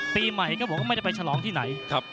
นักมวยจอมคำหวังเว่เลยนะครับ